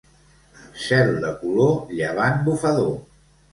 Cel de color, llevant bufador.